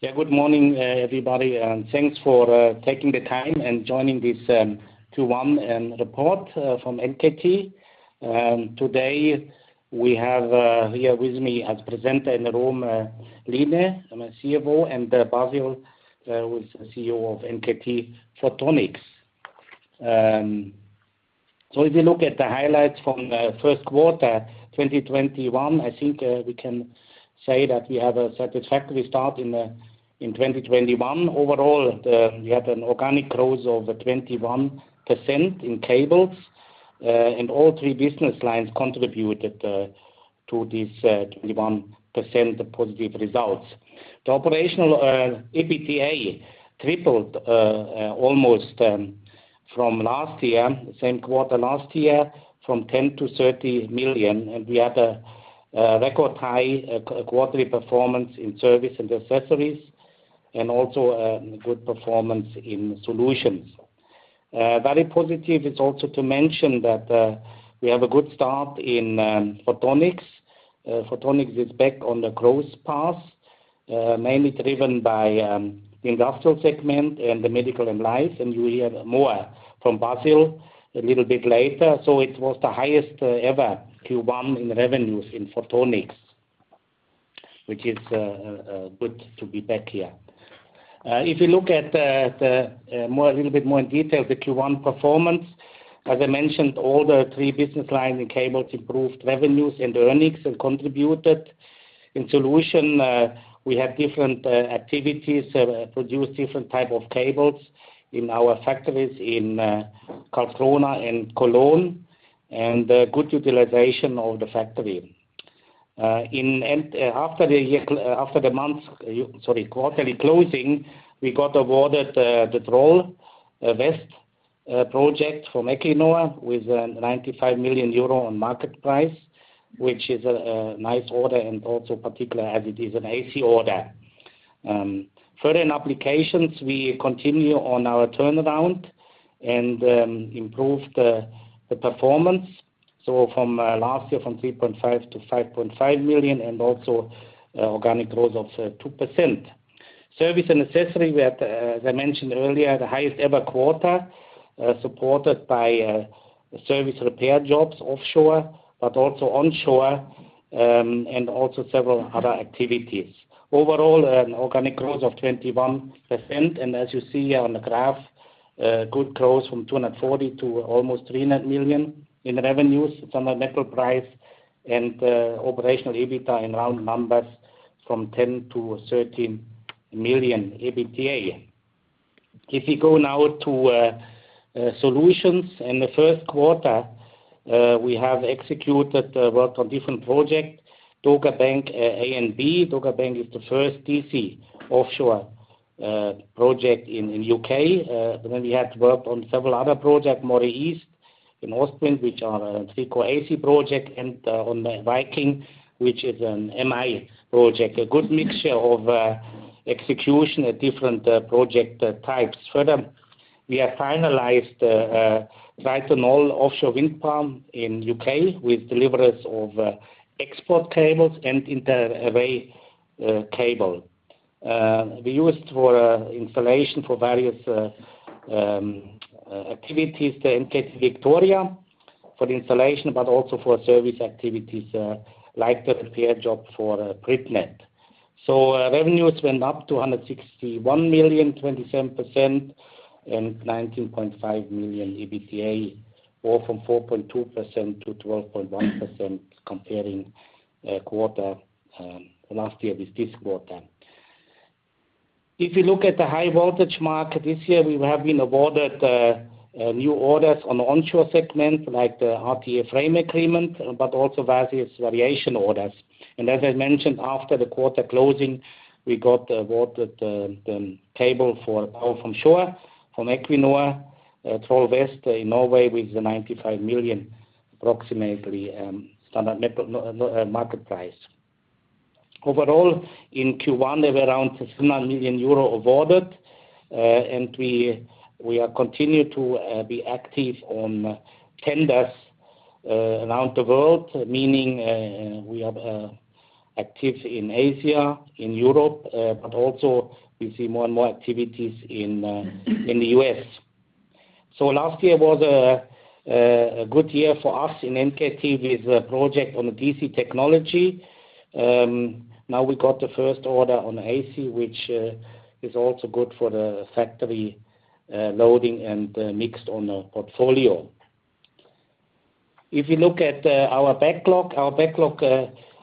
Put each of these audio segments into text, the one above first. Good morning, everybody. Thanks for taking the time and joining this Q1 report from NKT. Today, we have here with me as presenter in the room, Line, the CFO, and Basil, who is the CEO of NKT Photonics. If you look at the highlights from the first quarter 2021, I think we can say that we have a satisfactory start in 2021. Overall, we had an organic growth of 21% in cables, and all three business lines contributed to this 21% positive results. The operational EBITDA tripled almost from last year, same quarter last year, from 10 million to 30 million, and we had a record high quarterly performance in service and accessories, and also a good performance in solutions. Very positive is also to mention that we have a good start in photonics. Photonics is back on the growth path, mainly driven by industrial segment and the medical and life. You will hear more from Basil a little bit later. It was the highest ever Q1 in revenues in photonics, which is good to be back here. If you look at a little bit more in detail, the Q1 performance, as I mentioned, all the three business lines in cable improved revenues and earnings and contributed. In solution, we have different activities that produce different type of cables in our factories in Karlskrona and Cologne, and good utilization of the factory. After the quarterly closing, we got awarded the Troll West project from Equinor with a €95 million on market price, which is a nice order and also particular as it is an AC order. Further applications, we continue on our turnaround and improve the performance. From last year, from 3.5 million to 5.5 million and also organic growth of 2%. Service and accessories, as I mentioned earlier, the highest ever quarter, supported by service repair jobs offshore, but also onshore, and also several other activities. An organic growth of 21%. As you see here on the graph, good growth from 240 million to almost 300 million in revenues. It's on a net price and operational EBITDA in round numbers from 10 million to 13 million EBITDA. If you go now to solutions. In the first quarter, we have executed work on different projects. Dogger Bank A and B. Dogger Bank is the first DC offshore project in the U.K. We had worked on several other projects, Moray East and Ostwind, which are three-core AC projects, and on the Viking Link, which is an MI project. A good mixture of execution of different project types. We have finalized Triton Knoll offshore wind farm in U.K. with deliveries of export cables and inter-array cable. We used for installation for various activities, the NKT Victoria, for installation, but also for service activities like repair job for BritNed. Revenues went up to 161 million, 27%, and 19.5 million EBITDA, or from 4.2% to 12.1% comparing quarter last year with this quarter. If you look at the high voltage market this year, we have been awarded new orders on onshore segment like the RTE frame agreement, but also various variation orders. As I mentioned, after the quarter closing, we got awarded the cable for power from shore from Equinor, Troll West in Norway, with 95 million, approximately standard market price. Overall, in Q1, we have around EUR 69 million awarded. We are continued to be active on tenders around the world, meaning we are active in Asia, in Europe, but also we see more and more activities in the U.S. Last year was a good year for us in NKT with a project on DC technology. Now we got the first order on AC, which is also good for the factory loading and mixed on the portfolio. If you look at our backlog, our backlog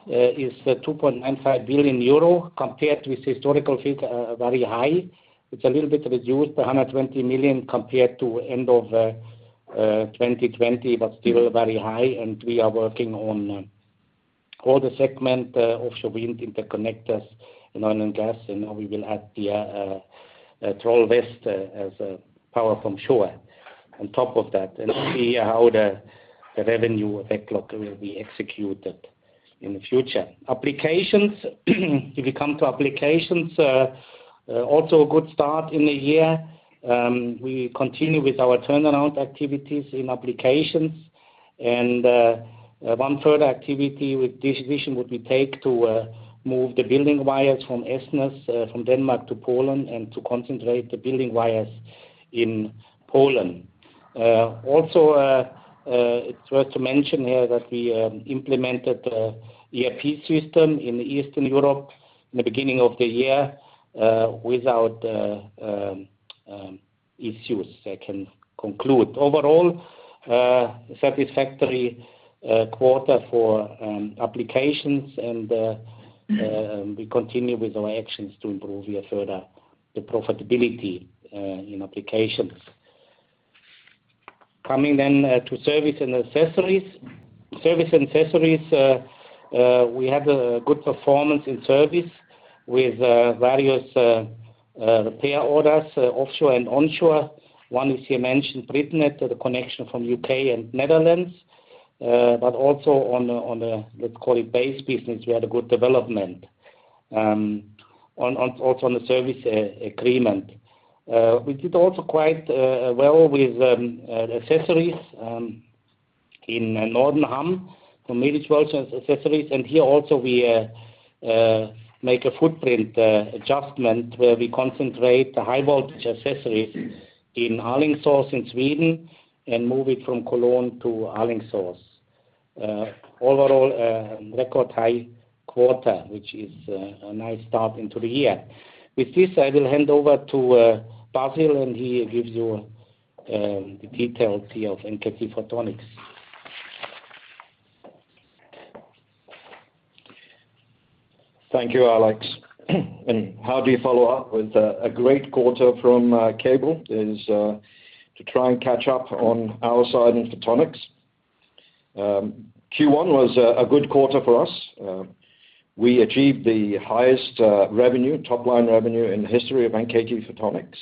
is 2.95 billion euro compared with historical figure, very high. It's a little bit reduced, 120 million compared to end of 2020, but still very high. We are working on all the segment, offshore wind interconnectors and oil and gas. We will add the Troll West as a power from shore on top of that and see how the revenue backlog will be executed in the future. If you come to applications, also a good start in the year. We continue with our turnaround activities in applications. One further activity with this division would be to move the building wires from Esbjerg from Denmark to Poland and to concentrate the building wires in Poland. Also, it's worth to mention here that we implemented ERP system in Eastern Europe in the beginning of the year without issues. I can conclude. Overall, satisfactory quarter for applications, and we continue with our actions to improve here further the profitability in applications. Coming then to service and accessories. Service and accessories, we had a good performance in service with various repair orders offshore and onshore. As you mentioned, BritNed, the connection from U.K. and Netherlands, also on a, let's call it base business, we had a good development also on the service agreement. We did also quite well with accessories in Nordenham for mid-voltage accessories. Here also we make a footprint adjustment where we concentrate the high-voltage accessories in Alingsås in Sweden and move it from Cologne to Alingsås. Overall, record high quarter, which is a nice start into the year. With this, I will hand over to Basil, and he gives you the detailed view of NKT Photonics. Thank you, Alex. How do you follow up with a great quarter from Cable is to try and catch up on our side in Photonics. Q1 was a good quarter for us. We achieved the highest revenue, top line revenue in the history of NKT Photonics.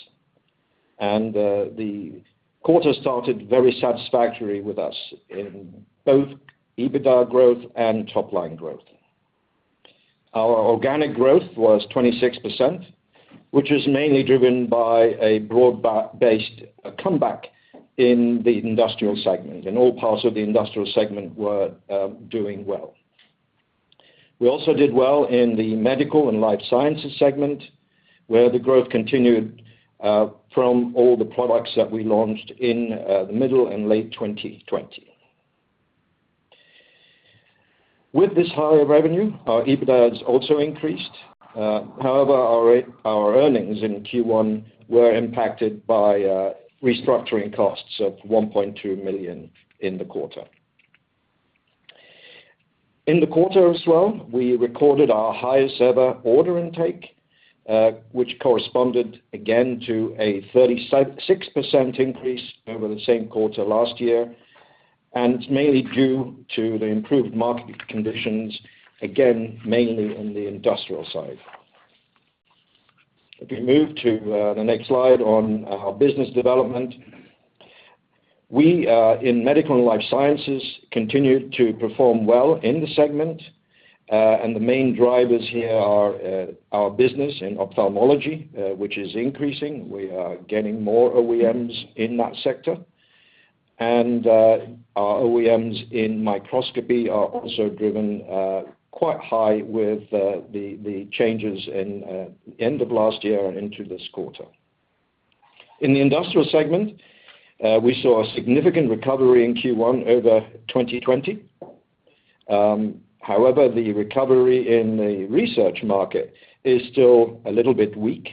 The quarter started very satisfactory with us in both EBITDA growth and top line growth. Our organic growth was 26%, which is mainly driven by a broad-based comeback in the industrial segment, all parts of the industrial segment were doing well. We also did well in the medical and life sciences segment, where the growth continued from all the products that we launched in the middle and late 2020. With this higher revenue, our EBITDAs also increased. However, our earnings in Q1 were impacted by restructuring costs of 1.2 million in the quarter. In the quarter as well, we recorded our highest ever order intake which corresponded again to a 36% increase over the same quarter last year, mainly due to the improved market conditions, again, mainly on the Industrial side. If we move to the next slide on our business development. We in Medical and Life Sciences continued to perform well in the segment. The main drivers here are our business in ophthalmology, which is increasing. We are getting more OEMs in that sector. Our OEMs in microscopy are also driven quite high with the changes in the end of last year and into this quarter. In the Industrial segment, we saw a significant recovery in Q1 over 2020. However, the recovery in the research market is still a little bit weak,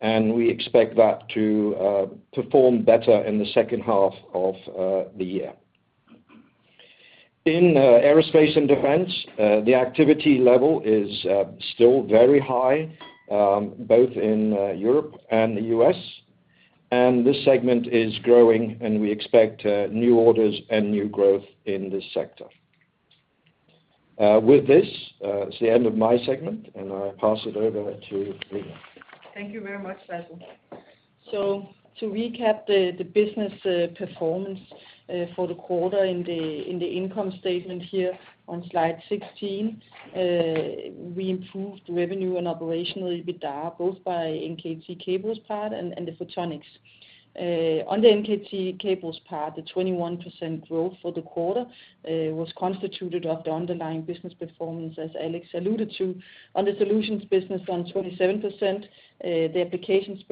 and we expect that to perform better in the second half of the year. In aerospace and defense, the activity level is still very high both in Europe and the U.S. This segment is growing. We expect new orders and new growth in this sector. With this, it's the end of my segment. I pass it over to Line. Thank you very much, Basil. To recap the business performance for the quarter in the income statement here on slide 16, we improved revenue and operational EBITDA, both by NKT Cables part and the Photonics. On the NKT Cables part, the 21% growth for the quarter was constituted of the underlying business performance, as Alex alluded to, on the solutions business on 27%, the applications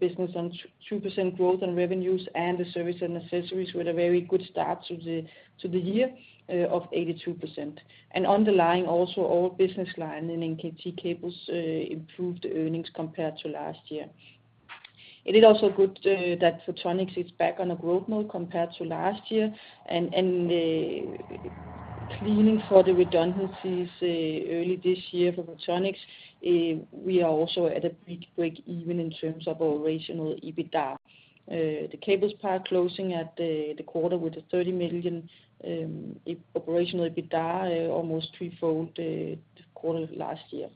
business on 2% growth on revenues, and the service and accessories with a very good start to the year of 82%. Underlying also all business line in NKT Cables improved earnings compared to last year. It is also good that Photonics is back on a growth mode compared to last year, and cleaning for the redundancies early this year for Photonics, we are also at a big break even in terms of operational EBITDA. The Cables part closing at the quarter with a 30 million operational EBITDA, almost threefold the quarter last year.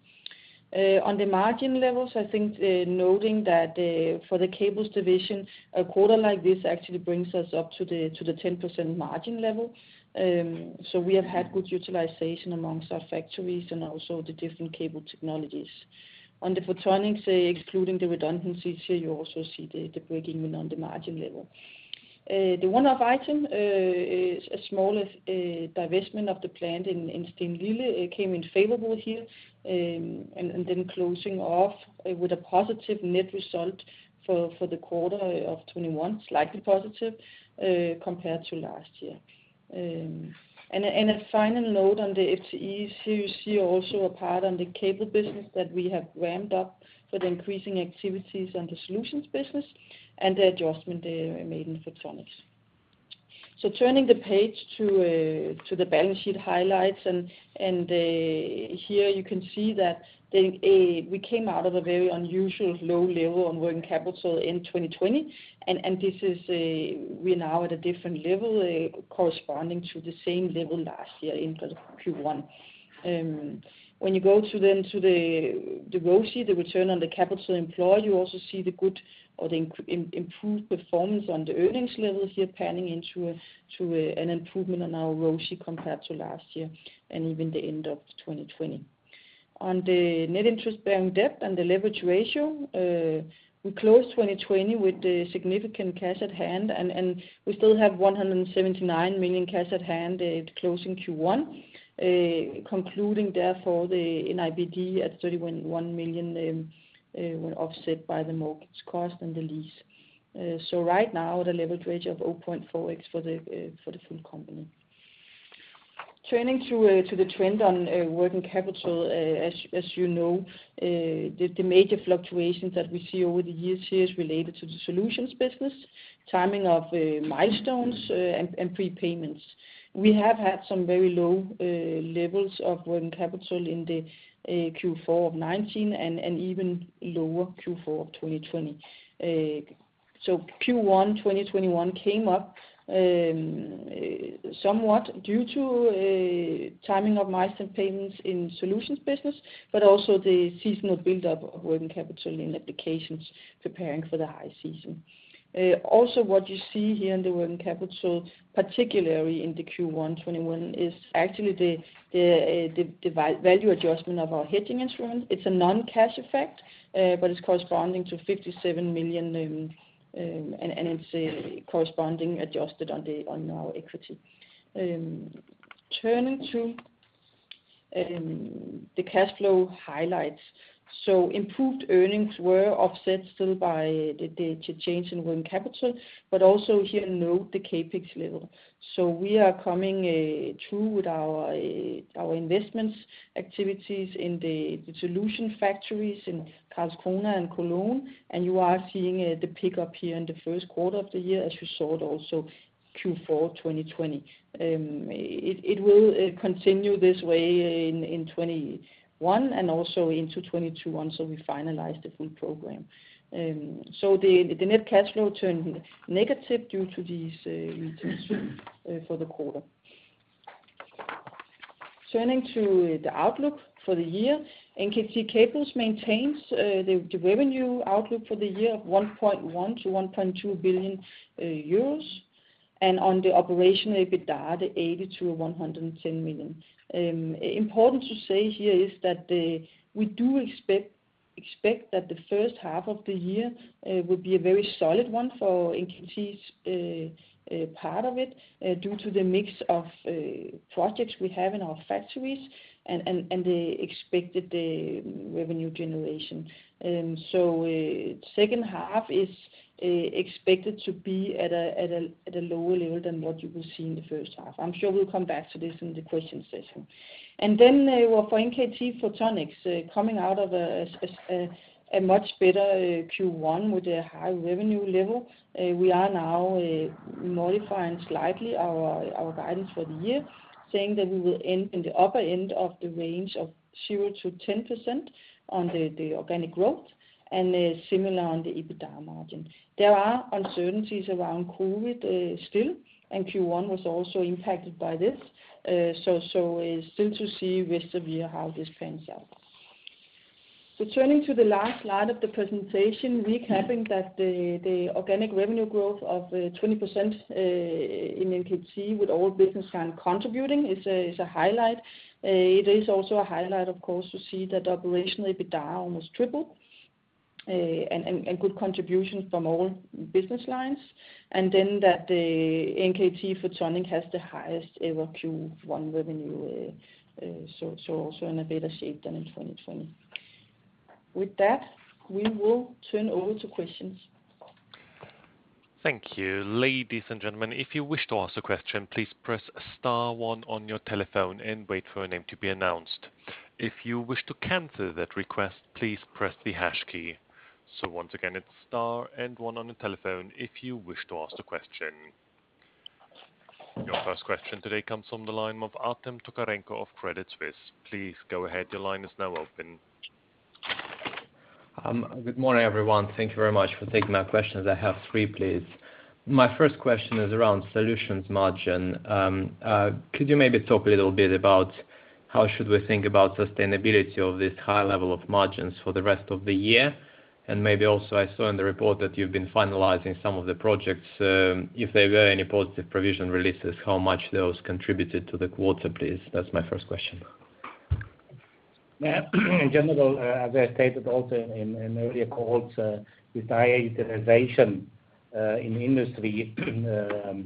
On the margin levels, I think noting that for the Cables division, a quarter like this actually brings us up to the 10% margin level. We have had good utilization amongst our factories and also the different cable technologies. On the photonics, excluding the redundancy here, you also see the good improvement on the margin level. The one-off item is a small divestment of the plant in Stenlille. It came in favorable here, closing off with a positive net result for the quarter of 2021, slightly positive compared to last year. A final note on the H2, so you see also a part on the cable business that we have ramped up for the increasing activities on the solutions business and the adjustment made in photonics. Turning the page to the balance sheet highlights, here you can see that we came out of a very unusual low level on working capital in 2020, and we're now at a different level corresponding to the same level last year in Q1. When you go to the ROCE, the return on the capital employed, you also see the good or the improved performance on the earnings level here panning into an improvement on our ROCE compared to last year and even the end of 2020. On the net interest-bearing debt and the leverage ratio, we closed 2020 with significant cash at hand, and we still have 179 million cash at hand closing Q1, concluding therefore the NIBD at 31 million when offset by the mortgage cost and the lease. Right now, the leverage ratio of 0.4x for the full company. Turning to the trend on working capital, as you know, the major fluctuations that we see over the years here is related to the solutions business, timing of milestones, and prepayments. We have had some very low levels of working capital in the Q4 of 2019 and even lower Q4 of 2020. Q1 2021 came up somewhat due to timing of milestones payments in solutions business, but also the seasonal buildup of working capital in applications preparing for the high season. Also what you see here in the working capital, particularly in the Q1 2021, is actually the value adjustment of our hedging instruments. It's a non-cash effect, but it's corresponding to 57 million, and it's corresponding adjusted on our equity. Turning to the cash flow highlights. Improved earnings were offset still by the change in working capital, but also here note the CapEx level. We are coming through with our investments activities in the solution factories in Karlskrona and Cologne, and you are seeing the pickup here in the first quarter of the year as you saw it also Q4 2020. It will continue this way in 2021 and also into 2022 once we finalize the full program. The net cash flow turned negative due to these for the quarter. Turning to the outlook for the year. NKT Cables maintains the revenue outlook for the year of 1.1 billion-1.2 billion euros, and on the operational EBITDA, 80 million-110 million. Important to say here is that we do expect that the first half of the year will be a very solid one for NKT's part of it due to the mix of projects we have in our factories and the expected revenue generation. Second half is expected to be at a lower level than what you will see in the first half. I'm sure we'll come back to this in the question session. For NKT Photonics, coming out of a much better Q1 with a high revenue level. We are now modifying slightly our guidance for the year, saying that we will end in the upper end of the range of 0%-10% on the organic growth, and similar on the EBITDA margin. There are uncertainties around COVID still, and Q1 was also impacted by this, so still to see rest of the year how this turns out. Turning to the last slide of the presentation, recapping that the organic revenue growth of 20% in NKT with all business lines contributing is a highlight. It is also a highlight, of course, to see that operational EBITDA almost triple, and good contributions from all business lines, and then that the NKT Photonics has the highest-ever Q1 revenue, so also on a better shape than in 2020. With that, we will turn over to questions. Your first question today comes from the line of Artem Tokarenko of Credit Suisse. Please go ahead. Your line is now open. Good morning, everyone. Thank you very much for taking my questions. I have three, please. My first question is around solutions margin. Could you maybe talk a little bit about how should we think about sustainability of this high level of margins for the rest of the year? Maybe also, I saw in the report that you've been finalizing some of the projects. If there were any positive provision releases, how much those contributed to the quarter, please? That's my first question. Yeah. In general, as I stated also in earlier calls, with higher utilisation in the industry in the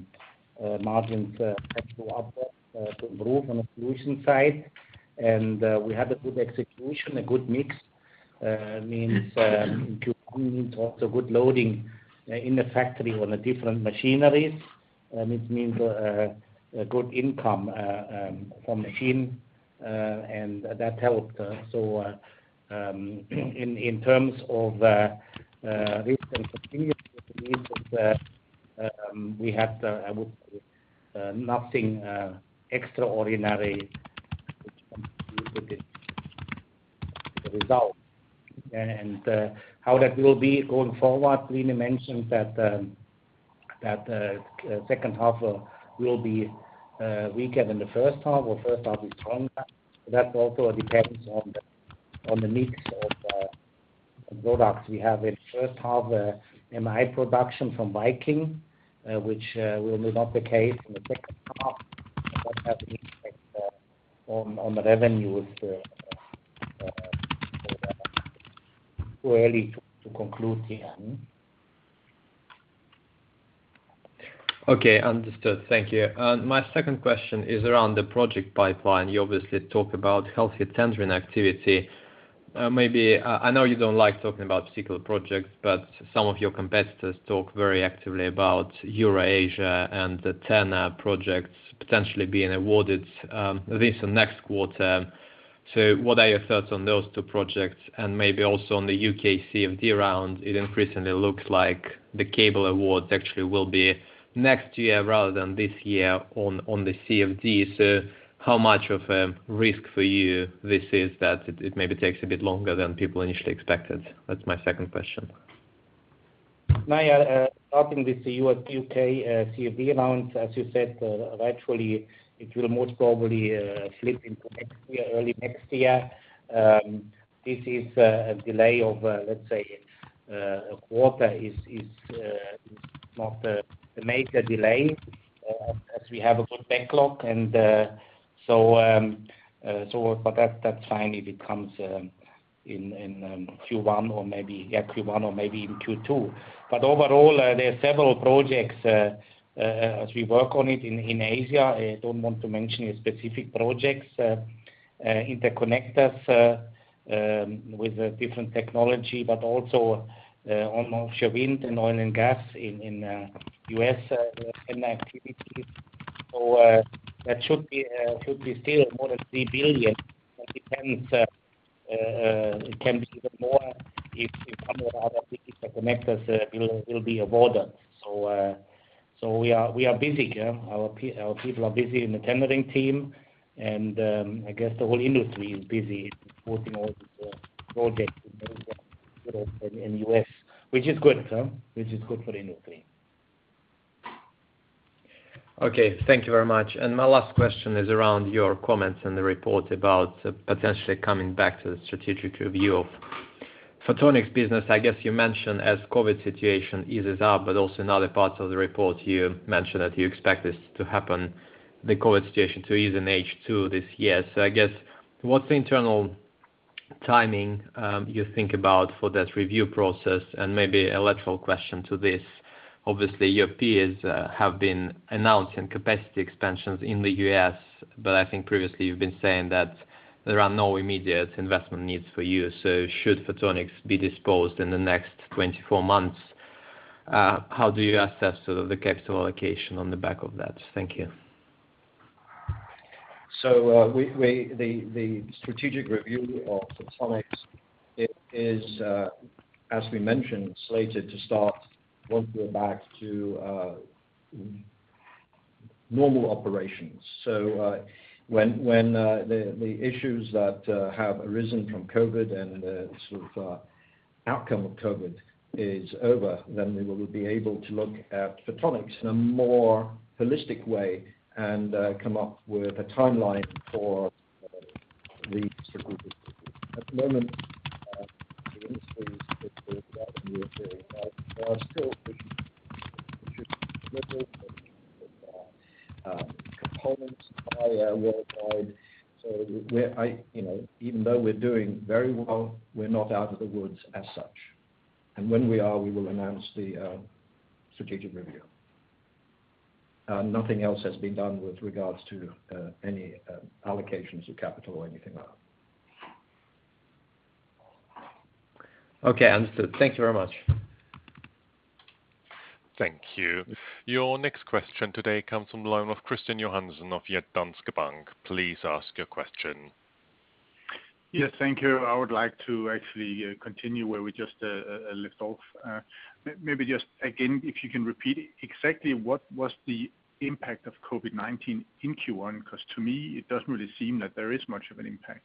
margins had to improve on the solution side, and we had a good execution, a good mix. It means also good loading in the factory on the different machineries. It means a good income per machine, and that helped. In terms of recent we have, I would say, nothing extraordinary, which contributed to the result. How that will be going forward, Line mentioned that the second half will be weaker than the first half, or first half is stronger. That also depends on the mix of the products we have in first half MI production from Viking, which will not be the case in the second half. Also, have an effect on revenue with early to conclude the end. Okay, understood. Thank you. My second question is around the project pipeline. You obviously talk about healthy tendering activity. Maybe, I know you don't like talking about particular projects, but some of your competitors talk very actively about Eurasia and the TenneT projects potentially being awarded this and next quarter. What are your thoughts on those two projects and maybe also on the U.K. CFD round? It increasingly looks like the cable award actually will be next year rather than this year on the CFD. How much of a risk for you this is that it maybe takes a bit longer than people initially expected? That's my second question. [Maya], starting with the U.K. CFD round, as you said, actually, it will most probably flip into early next year. This is a delay of, let's say, a quarter is not a major delay as we have a good backlog. For that finally becomes in Q1 or maybe in Q2. Overall, there are several projects as we work on it in Asia. I don't want to mention specific projects, interconnectors with a different technology, but also offshore wind and oil and gas in U.S. activity. That should be still more than 3 billion. It can be even more if some of the other critical connectors will be awarded. We are busy. Our people are busy in the tendering team, and I guess the whole industry is busy putting all the projects in Europe and U.S., which is good for the industry. Thank you very much. My last question is around your comments in the report about potentially coming back to the strategic review of Photonics business. I guess you mentioned as COVID situation eases up, but also in other parts of the report, you mentioned that you expect this to happen, the COVID situation to ease in H2 this year. I guess what's the internal timing you think about for that review process and maybe a lateral question to this, obviously, your peers have been announcing capacity expansions in the U.S., I think previously you've been saying that there are no immediate investment needs for you, should Photonics be disposed in the next 24 months, how do you assess the capital allocation on the back of that? Thank you. The strategic review of Photonics is, as we mentioned, slated to start once we're back to normal operations. When the issues that have arisen from COVID and the outcome of COVID is over, then we will be able to look at Photonics in a more holistic way and come up with a timeline for the strategic review. At the moment, the industry is difficult in the USA. We are still pushing the limits of components supply worldwide. Even though we're doing very well, we're not out of the woods as such. When we are, we will announce the strategic review. Nothing else has been done with regards to any allocations of capital or anything like that. Okay, understood. Thank you very much. Thank you. Your next question today comes from the line of Kristian Johansen of Danske Bank. Please ask your question. Yeah, thank you. I would like to actually continue where we just left off. Maybe just again, if you can repeat exactly what was the impact of COVID-19 in Q1, because to me, it doesn't really seem that there is much of an impact.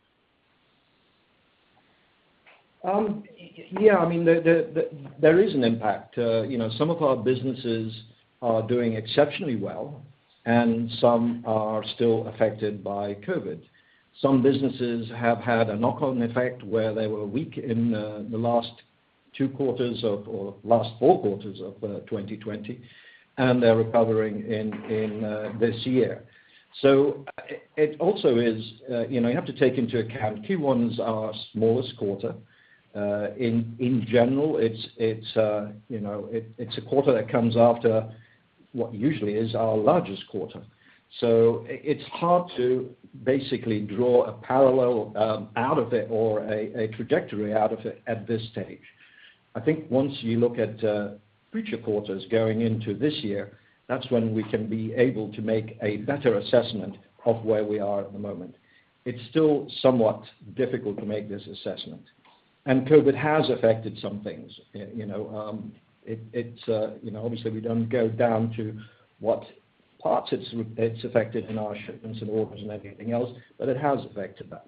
Yeah, there is an impact. Some of our businesses are doing exceptionally well, and some are still affected by COVID. Some businesses have had a knock-on effect where they were weak in the last two quarters or last four quarters of 2020, and they're recovering in this year. You have to take into account Q1 is our smallest quarter. In general, it's a quarter that comes after what usually is our largest quarter. It's hard to basically draw a parallel out of it or a trajectory out of it at this stage. I think once you look at future quarters going into this year, that's when we can be able to make a better assessment of where we are at the moment. It's still somewhat difficult to make this assessment. COVID has affected some things. Obviously, we don't go down to what parts it's affected in our shipments of orders and everything else, but it has affected that.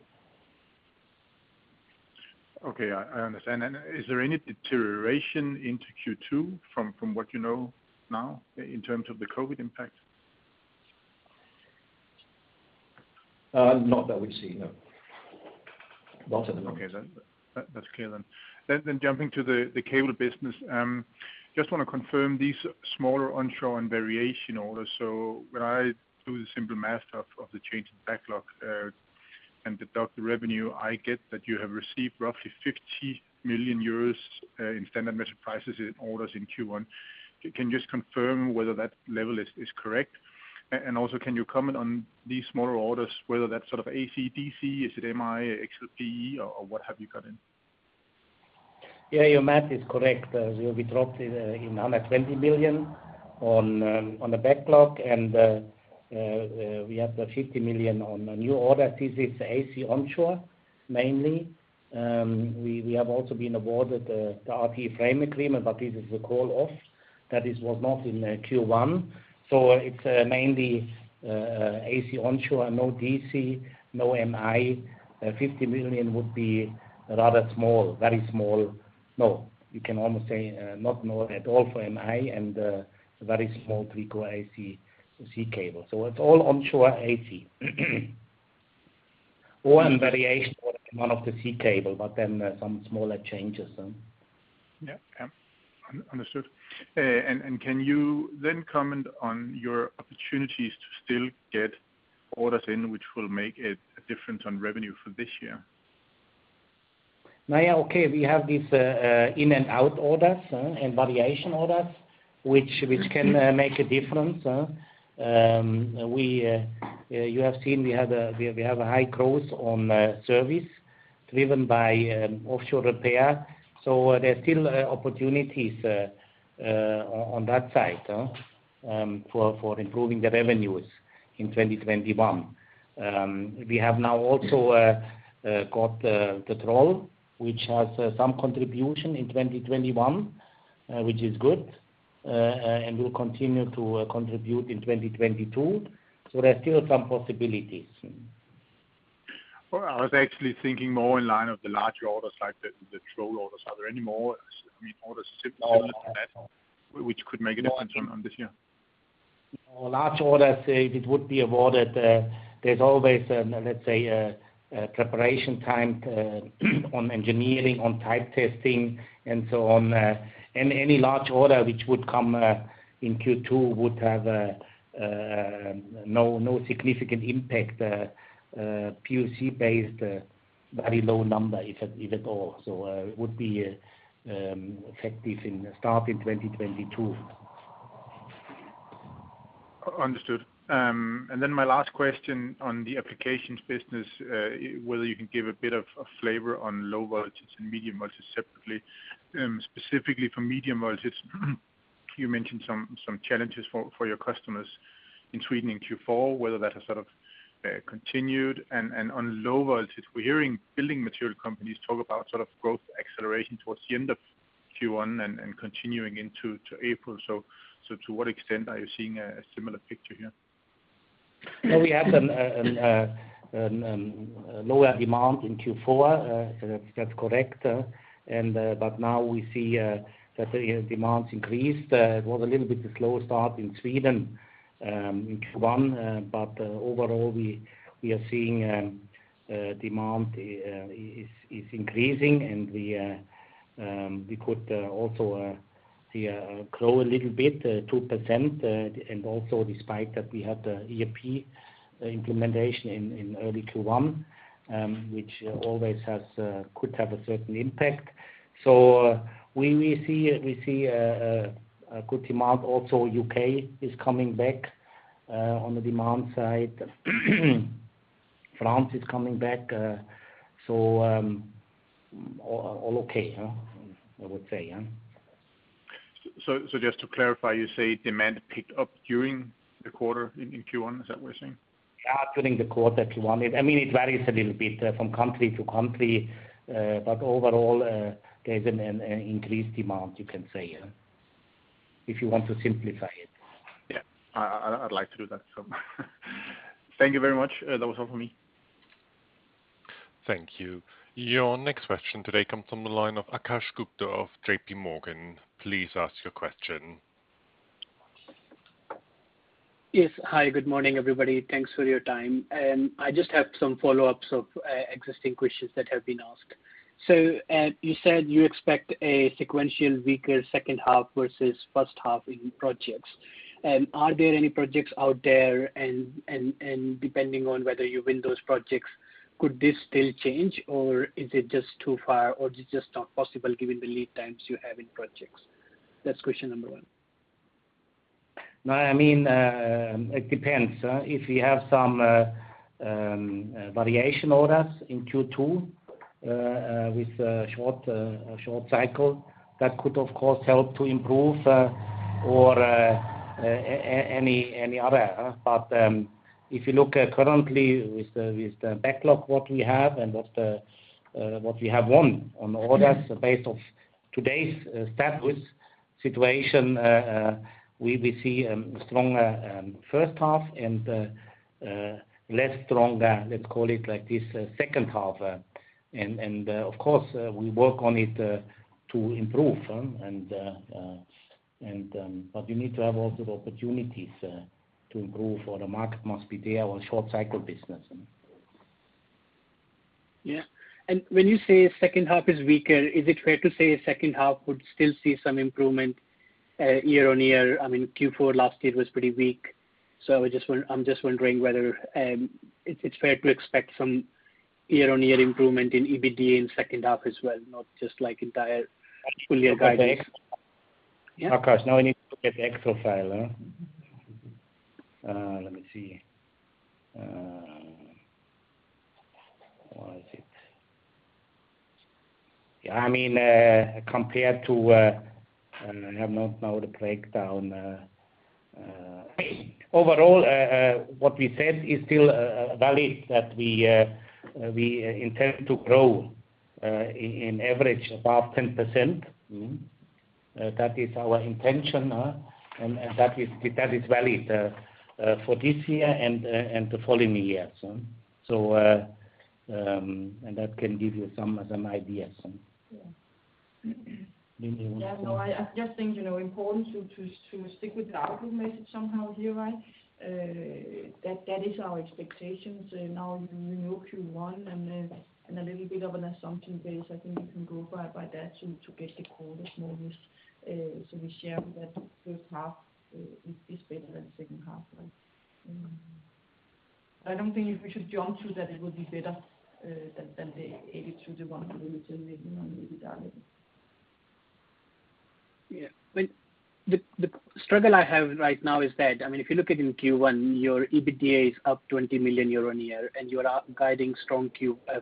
Okay, I understand. Is there any deterioration into Q2 from what you know now in terms of the COVID impact? Not that we see, no. Okay. That's clear. Jumping to the cable business. Just want to confirm these smaller onshore and variation orders. When I do the simple math of the change in backlog and deduct the revenue, I get that you have received roughly 50 million euros in standard measured prices in orders in Q1. Can you just confirm whether that level is correct? Also, can you comment on these smaller orders, whether that's AC/DC, is it MI, XLPE, or what have you got in? Yeah, your math is correct. We dropped in under 20 million on the backlog, and we have 50 million on new orders. This is AC onshore, mainly. We have also been awarded the RTE frame agreement, but this is a call off that was not in Q1. It's mainly AC onshore, no DC, no MI. 50 million would be rather small. Very small. No, you can almost say not noted at all for MI and a very small trickle AC cable. It's all onshore AC. And variation orders, one of the key cable, but then some smaller changes. Yeah. Understood. Can you then comment on your opportunities to still get orders in, which will make a difference on revenue for this year? We have these in and out orders and variation orders, which can make a difference. You have seen we have a high growth on service driven by offshore repair. There are still opportunities on that side for improving the revenues in 2021. We have now also got the Troll, which has some contribution in 2021, which is good, and will continue to contribute in 2022. There are still some possibilities. Well, I was actually thinking more in line of the larger orders like the Troll orders. Are there any more orders similar to that which could make a difference on this year? No large orders that would be awarded. There's always, let's say, a preparation time on engineering, on type testing, and so on. Any large order which would come in Q2 would have no significant impact POC based, very low number, if at all. It would be effective starting 2022. Understood. My last question on the applications business, whether you can give a bit of a flavor on low voltages and medium voltages separately. Specifically for medium voltages, you mentioned some challenges for your customers in Sweden in Q4, whether that has continued. On low voltages, we're hearing building material companies talk about growth acceleration towards the end of Q1 and continuing into April. To what extent are you seeing a similar picture here? We had a lower demand in Q4. That's correct. Now we see that the demand increased. It was a little bit of a slow start in Sweden in Q1. Overall, we are seeing demand is increasing, and we could also see a growth a little bit, 2%, and also despite that we had the ERP implementation in early Q1, which always could have a certain impact. We see a good demand. Also U.K. is coming back on the demand side. France is coming back. All okay, I would say. Just to clarify, you say demand picked up during the quarter in Q1. Is that what you're saying? Yeah, during the quarter Q1. It varies a little bit from country to country. Overall, there's an increased demand, you can say. If you want to simplify it. Yeah. I'd like to do that. Thank you very much. That was all from me. Thank you. Your next question today comes from the line of Akash Gupta of JPMorgan. Please ask your question. Yes. Hi, good morning, everybody. Thanks for your time. I just have some follow-ups of existing questions that have been asked. You said you expect a sequential weaker second half versus first half in projects. Are there any projects out there, and depending on whether you win those projects, could this still change, or is it just too far, or is it just not possible given the lead times you have in projects? That's question number one. It depends. If you have some variation orders in Q2 with a short cycle, that could, of course, help to improve or any other. If you look at currently with the backlog what we have and what we have won on orders on the base of today's established situation, we will see a stronger first half and less strong, let's call it like this, second half. Of course, we work on it to improve. We need to have other opportunities to improve for the market must be there or short cycle business. Yeah. When you say second half is weaker, is it fair to say second half would still see some improvement year-on-year? Q2 last year was pretty weak, so I'm just wondering whether it's fair to expect some year-on-year improvement in EBITDA in second half as well, not just like entire full year guidance. Of course. Now I need to get the Excel file. Let me see. Where is it? Compared to I do not know the breakdown. Overall, what you said is still valid, that we intend to grow in average above 10%. That is our intention, and that is valid for this year and the following years. That can give you some ideas. Yeah. That's why I just think it's important to stick with the algorithm somehow here. That is our expectations. Now we know Q1 and a little bit of an assumption base, I think we can go by that to get the quarters more or less. We share that first half is better than second half. I don't think we should jump to that it will be better than the [82 million-110 million] in EBITDA. Yeah. The struggle I have right now is that, if you look at in Q1, your EBITDA is up DKK 20 million year-on-year, and you are guiding strong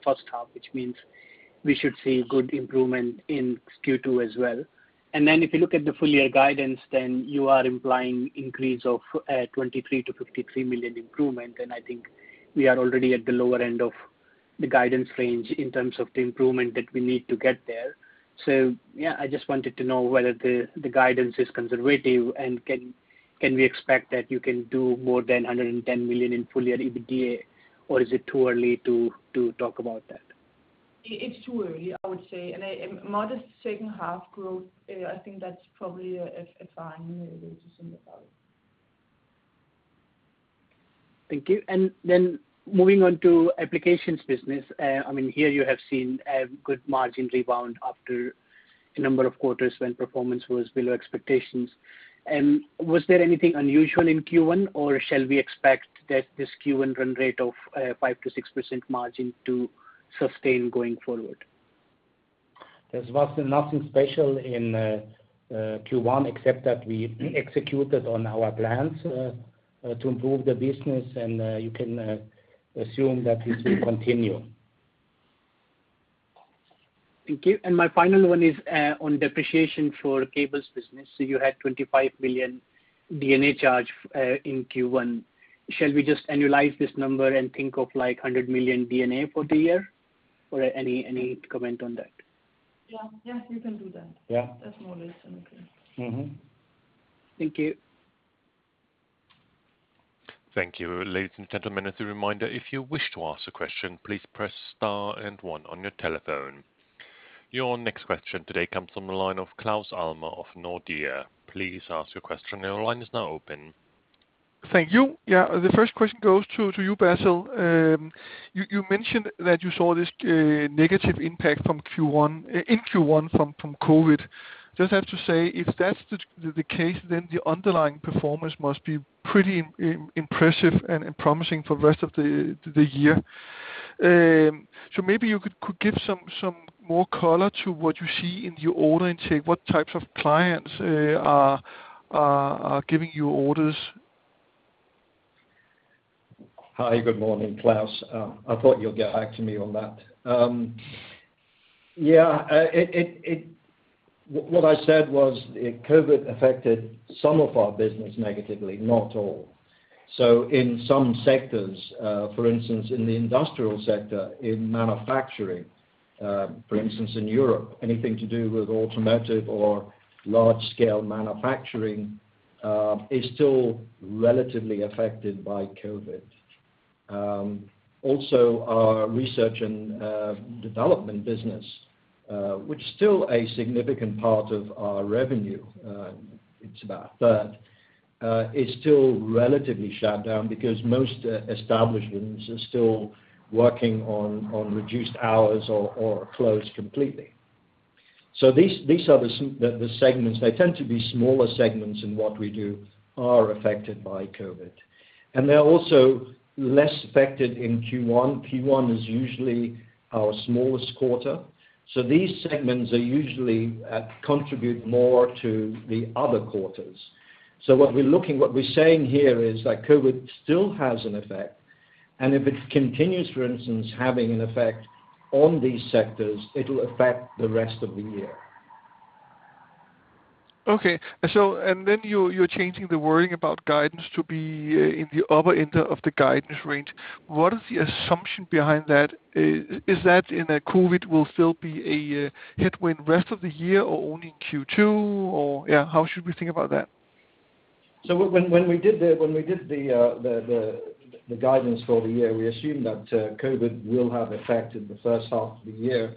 first half, which means we should see good improvement in Q2 as well. If you look at the full year guidance, then you are implying increase of 23 million-53 million improvement, and I think we are already at the lower end of the guidance range in terms of the improvement that we need to get there. Yeah, I just wanted to know whether the guidance is conservative, and can we expect that you can do more than 110 million in full year EBITDA, or is it too early to talk about that? It's too early, I would say. As long as the second half growth, I think that's probably a fine way to think about it. Thank you. Moving on to applications business. Here you have seen a good margin rebound after a number of quarters when performance was below expectations. Was there anything unusual in Q1, or shall we expect that this Q1 run rate of 5%-6% margin to sustain going forward? There's nothing special in Q1 except that we executed on our plans to improve the business, and you can assume that this will continue. Thank you. My final one is on depreciation for cables business. You had 25 million D&A charge in Q1. Shall we just annualize this number and think of 100 million D&A for the year? Any comment on that? Yeah, you can do that. Yeah. That model is okay. Mm-hmm. Thank you. Thank you. Ladies and gentlemen, as a reminder, if you wish to ask a question, please press star and one on your telephone. Your next question today comes from the line of Claus Almer of Nordea. Please ask your question. Your line is now open. Thank you. The first question goes to you, Basil. You mentioned that you saw this negative impact in Q1 from COVID. Just have to say, if that's the case, then the underlying performance must be pretty impressive and promising for the rest of the year. Maybe you could give some more color to what you see in your order intake, what types of clients are giving you orders? Hi. Good morning, Claus. I thought you'd get back to me on that. Yeah. What I said was COVID affected some of our business negatively, not all. So in some sectors, for instance, in the industrial sector, in manufacturing, for instance, in Europe, anything to do with automotive or large-scale manufacturing is still relatively affected by COVID. Also, our research and development business, which is still a significant part of our revenue, it's about a third, is still relatively shut down because most establishments are still working on reduced hours or are closed completely. These are the segments, they tend to be smaller segments in what we do, are affected by COVID. They're also less affected in Q1. Q1 is usually our smallest quarter. These segments usually contribute more to the other quarters. What we're saying here is that COVID still has an effect, and if it continues, for instance, having an effect on these sectors, it'll affect the rest of the year. Okay. You're changing the worrying about guidance to be in the upper end of the guidance range. What is the assumption behind that? Is that COVID will still be a headwind rest of the year or only in Q2, or how should we think about that? When we did the guidance for the year, we assumed that COVID will have effect in the first half of the year,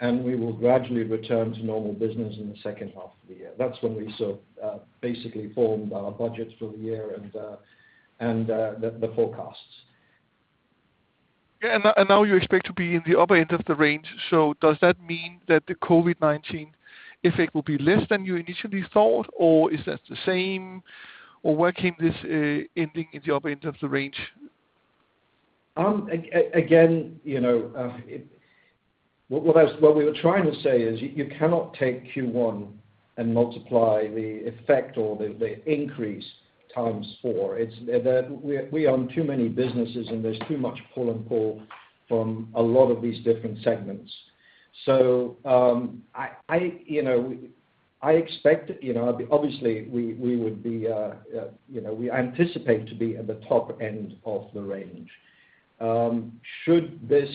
and we will gradually return to normal business in the second half of the year. That's when we basically formed our budgets for the year and the forecasts. Yeah. Now you expect to be in the upper end of the range. Does that mean that the COVID-19 effect will be less than you initially thought, or is that the same, or where can this ending in the upper end of the range? What we were trying to say is you cannot take Q1 and multiply the effect or the increase times four. We own too many businesses, there's too much pull and pull from a lot of these different segments. Obviously, we anticipate to be at the top end of the range. Should this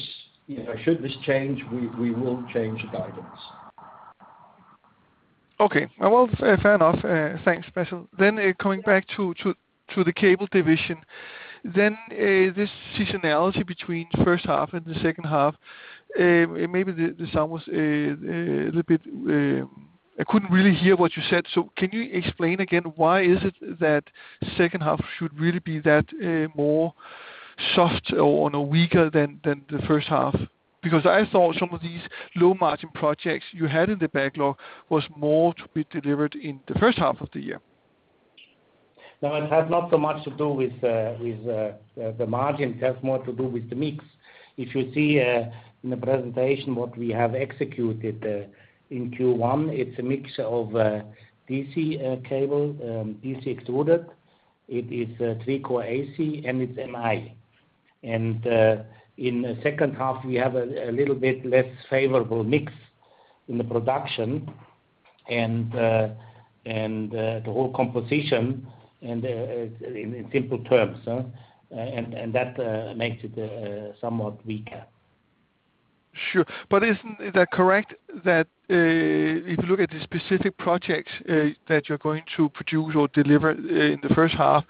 change, we will change guidance. Okay. Well, fair enough. Thanks, Basil. Going back to the cable division, this seasonality between first half and the second half, maybe the sound was I couldn't really hear what you said. Can you explain again why is it that second half should really be that more soft or weaker than the first half? I thought some of these low-margin projects you had in the backlog was more to be delivered in the first half of the year. No, it had not so much to do with the margin. It has more to do with the mix. If you see in the presentation what we have executed in Q1, it's a mix of DC cable, DC extruded. It is three-core AC, and it's MI. In the second half, we have a little bit less favorable mix in the production and the whole composition in simple terms. That makes it somewhat weaker. Is that correct that if you look at the specific projects that you're going to produce or deliver in the first half,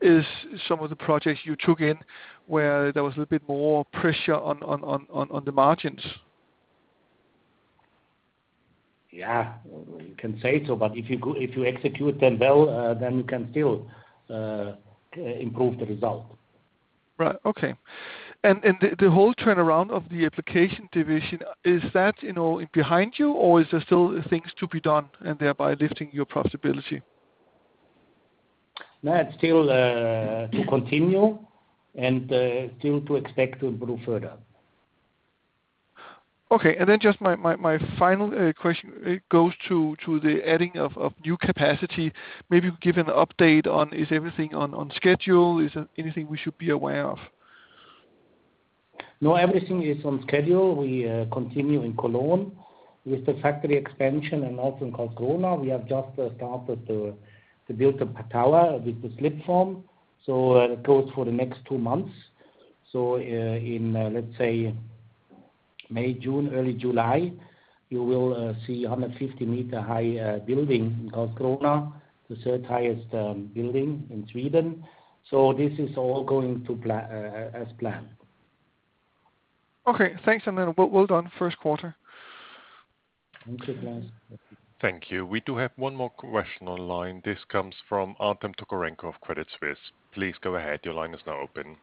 is some of the projects you took in where there was a bit more pressure on the margins? You can say so, but if you execute them well, then you can still improve the result. Right. Okay. The whole turnaround of the application division, is that behind you, or is there still things to be done and thereby lifting your profitability? No, it's still to continue and still to expect to improve further. Okay, just my final question goes to the adding of new capacity. Maybe give an update on is everything on schedule? Is there anything we should be aware of? No, everything is on schedule. We continue in Cologne with the factory expansion and also in Karlskrona. We have just started to build the tower with the slipform, so it goes for the next two months. In, let's say May, June, early July, you will see 150 m high building in Karlskrona, the third highest building in Sweden. This is all going as planned. Okay. Thanks a lot. Well done, first quarter. Thank you. Thank you. We do have one more question online. This comes from Artem Tokarenko, Credit Suisse. Please go ahead. Your line is now open.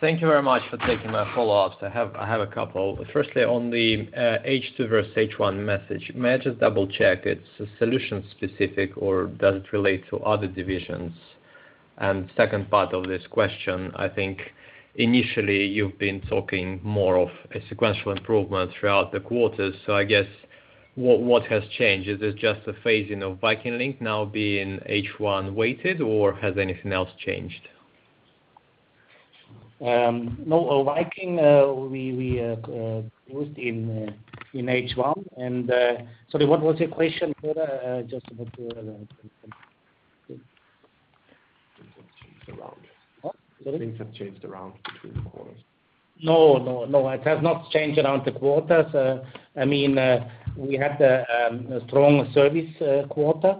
Thank you very much for taking my follow-ups. I have a couple. Firstly, on the H2 versus H1 message, may I just double-check it's solution specific, or does it relate to other divisions? Second part of this question, I think initially you've been talking more of a sequential improvement throughout the quarter. I guess what has changed? Is it just a phasing of Viking Link now being H1 weighted, or has anything else changed? No, Viking we pushed in H1. Sorry, what was your question? Things have changed around. What? Things have changed around between quarters. No, it has not changed around the quarters. We had a strong service quarter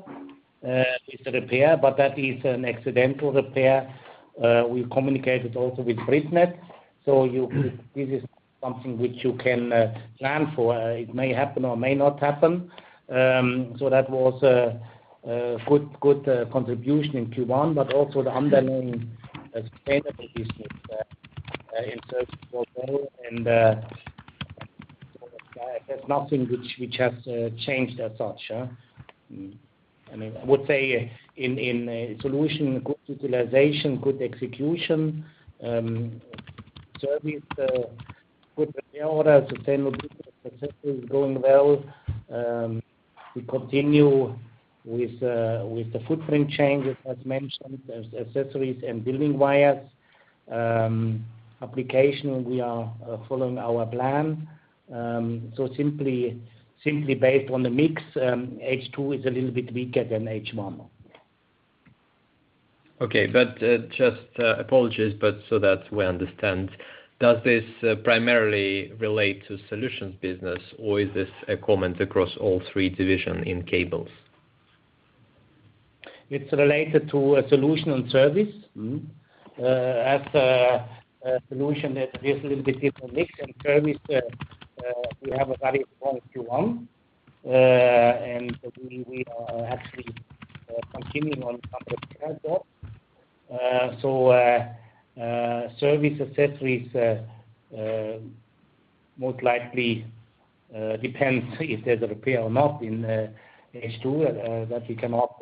with repair, but that is an accidental repair. We communicated also with BritNed. This is something which you can plan for. It may happen or may not happen. That was a good contribution in Q1, but also the underlying sustainable business in service was there, and there's nothing which has changed as such. I would say in solution, good utilization, good execution. Service, good repair orders, sustainable business, accessories is going well. We continue with the footprint changes, as mentioned, accessories and building wires. Application, we are following our plan. Simply based on the mix, H2 is a little bit weaker than H1. Okay. Just apologies, but so that we understand, does this primarily relate to solutions business or is this a comment across all three divisions in cables? It's related to solution and service. As a solution, there's a little bit different mix. In service, we have a value of one Q1, and we are actually continuing on some of the backlog. Service accessories most likely depends if there's a repair or not in H2, that we cannot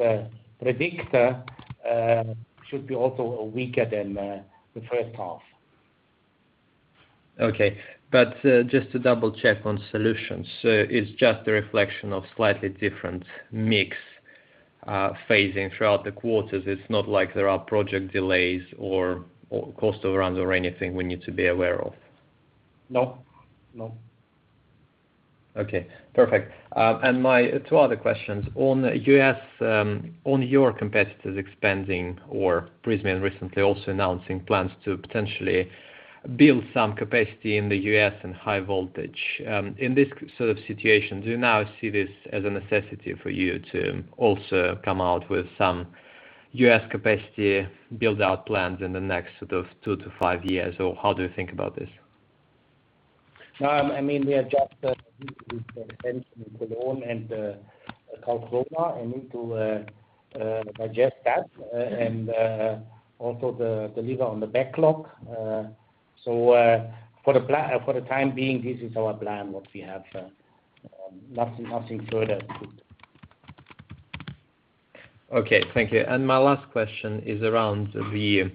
predict. It should be also weaker than the first half. Okay. Just to double-check on solutions. It's just a reflection of slightly different mix phasing throughout the quarters. It's not like there are project delays or cost overruns or anything we need to be aware of. No. Okay, perfect. My two other questions. On U.S., on your competitors expanding or recently also announcing plans to potentially build some capacity in the U.S. in high voltage. In this sort of situation, do you now see this as a necessity for you to also come out with some U.S. capacity build-out plans in the next sort of two to five years? How do you think about this? No, we have just completed with the extension with Cologne and Karlskrona and need to digest that, and also deliver on the backlog. For the time being, this is our plan what we have. Nothing further. Okay, thank you. My last question is around the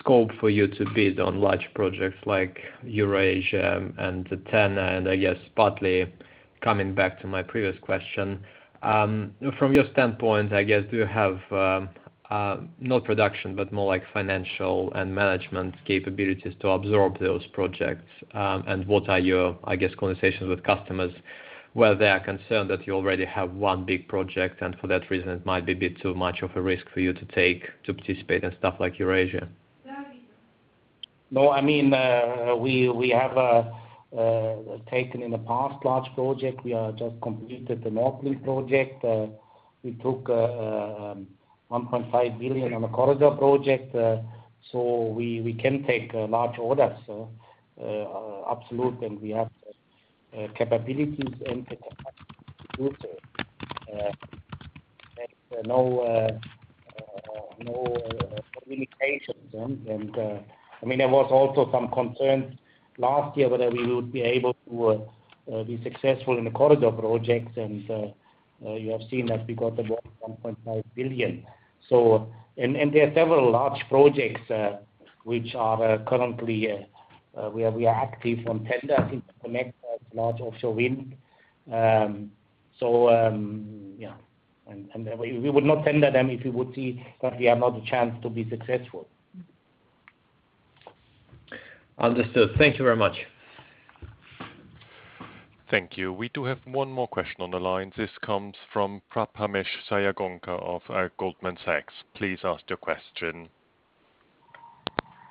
scope for you to bid on large projects like Eurasia and TenneT, and I guess partly coming back to my previous question. From your standpoint, I guess, do you have, not production, but more financial and management capabilities to absorb those projects? What are your, I guess, conversations with customers, where they are concerned that you already have one big project, and for that reason, it might be a bit too much of a risk for you to take to participate in stuff like Eurasia? No, we have taken in the past large project. We have just completed the Hornsea 3 project. We took 1.5 billion on the corridor projects. We can take large orders. Absolutely, we have the capabilities and capacity to do so. We have no communication with them. There was also some concern last year whether we would be able to be successful in the German corridor projects, and you have seen that we got about 1.5 billion. There are several large projects which are currently where we are actively from tender. I think the next large offshore wind. Yeah. We would not tender them if we would see that we have not a chance to be successful. Understood. Thank you very much. Thank you. We do have one more question on the line. This comes from Prathamesh Sayagonka of Goldman Sachs. Please ask your question.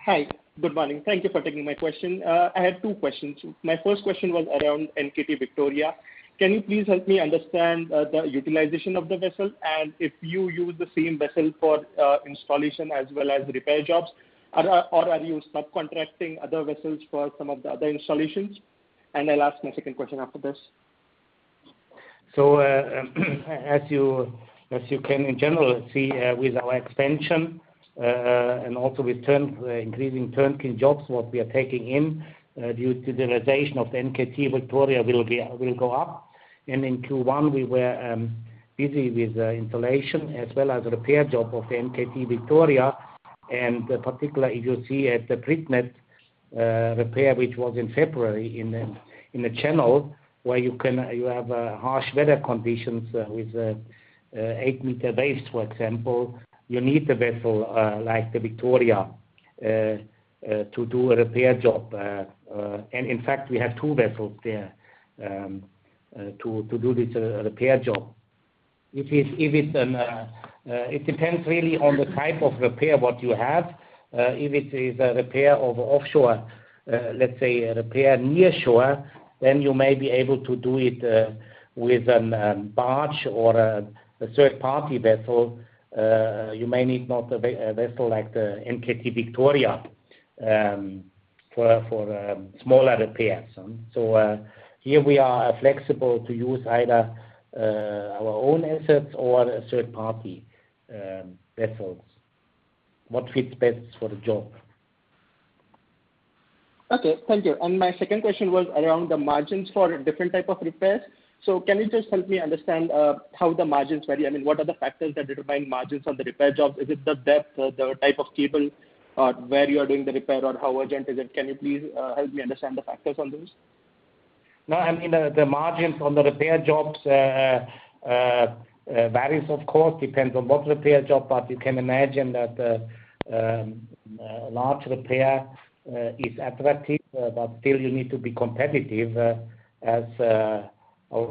Hi. Good morning. Thank you for taking my question. I have two questions. My first question was around NKT Victoria. Can you please help me understand the utilization of the vessel? If you use the same vessel for installation as well as repair jobs, or are you subcontracting other vessels for some of the other installations? I'll ask my second question after this. As you can in general see with our expansion, and also with increasing turnkey jobs what we are taking in, the utilization of NKT Victoria will go up. In Q1, we were busy with the installation as well as repair job of NKT Victoria. Particularly, you see at the BritNed repair which was in February in the channel, where you have harsh weather conditions with 8 m waves, for example. You need a vessel like the Victoria to do a repair job. In fact, we have two vessels there to do this repair job. It depends really on the type of repair what you have. If it is a repair of offshore, let's say a repair near shore, then you may be able to do it with a barge or a third-party vessel. You may need not a vessel like the NKT Victoria for smaller repairs. Here we are flexible to use either our own assets or a third-party vessels. What fits best for the job. Okay. Thank you. My second question was around the margins for different type of repairs. Can you just help me understand how the margins vary? What are the factors that define margins on the repair job? Is it the depth, the type of cable, or where you're doing the repair or how urgent is it? Can you please help me understand the factors on this? The margins on the repair jobs varies, of course, depends on what repair job, but you can imagine that a large repair is attractive, but still you need to be competitive as our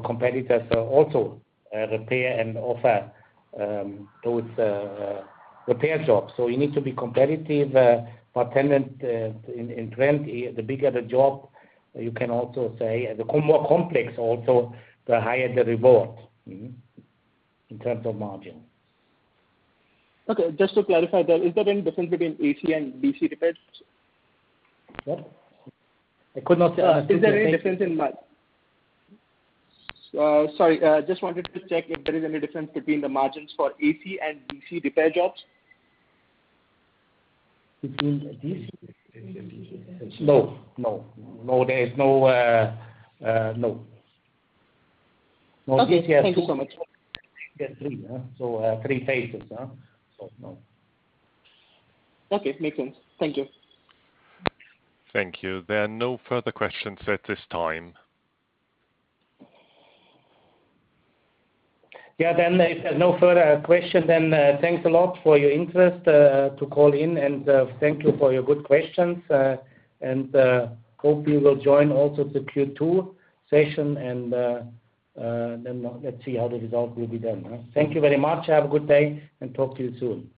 competitors also repair and offer those repair jobs. You need to be competitive, but in trend, the bigger the job, you can also say the more complex also, the higher the reward in terms of margin. Okay. Just to clarify, is there any difference between AC and DC repairs? What? Sorry, just wanted to check if there is any difference between the margins for AC and DC repair jobs. Between AC and DC repair jobs. No, there is no. Okay. Thank you so much. Three phases. No. Okay. Makes sense. Thank you. Thank you. There are no further questions at this time. No further question then. Thanks a lot for your interest to call in, and thank you for your good questions, and hope you will join also the Q2 session, and then let's see how the result will be then. Thank you very much. Have a good day and talk to you soon.